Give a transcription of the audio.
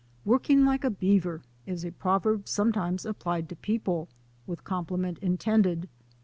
"Working like a beaver" is a proverb sometimes applied to people, with compliment intended.